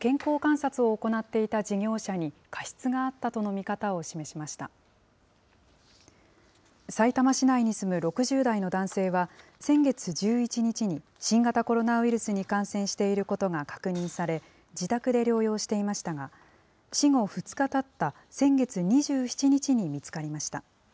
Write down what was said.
さいたま市内に住む６０代の男性は、先月１１日に新型コロナウイルスに感染していることが確認され、自宅で療養していましたが、死後２日たった先月２７日に見つかりました。